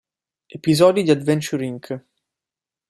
Episodi di Adventure Inc.